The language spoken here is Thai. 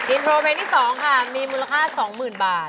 อินโทรเบนที่สองค่ะมีมูลค่าสองหมื่นบาท